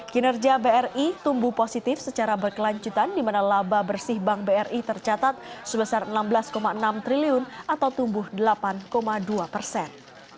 kinerja bri tumbuh positif secara berkelanjutan di mana laba bersih bank bri tercatat sebesar enam belas enam triliun atau tumbuh delapan dua persen